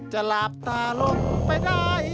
จลาบตาลดไปด้วย